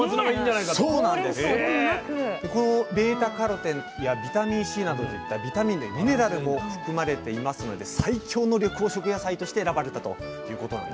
このβ−カロテンやビタミンＣなどといったビタミン類ミネラルも含まれていますので最強の緑黄色野菜として選ばれたということなんですね。